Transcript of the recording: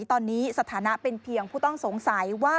ตอนนี้สถานะเป็นเพียงผู้ต้องสงสัยว่า